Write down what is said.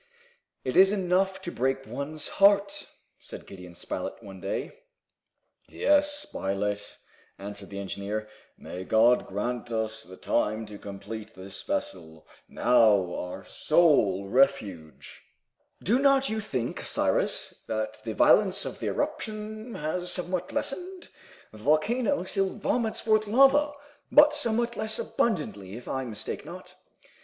"It is enough to break one's heart!" said Gideon Spilett, one day. "Yes, Spilett," answered the engineer. "May God grant us the time to complete this vessel, now our sole refuge!" "Do not you think, Cyrus, that the violence of the eruption has somewhat lessened? The volcano still vomits forth lava, but somewhat less abundantly, if I mistake not."